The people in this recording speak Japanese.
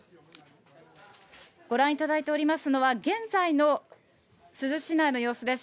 ご覧いただいておりますのは、現在の珠洲市内の様子です。